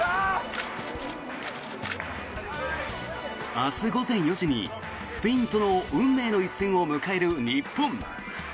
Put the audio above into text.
明日午前４時にスペインとの運命の一戦を迎える日本。